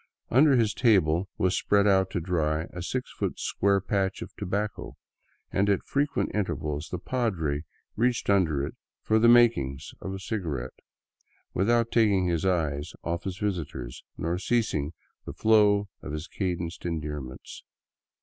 Under his table was spread out to dry a six foot square patch of tobacco, and at frequent intervals the padre reached under it for the " makings " of a cigarette, without taking his eyes off his visitors nor ceasing the flow of his cadenced endearments.